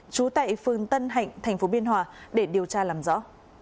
trú tại phương tân hạnh tp biên hòa để điều tra làm rõ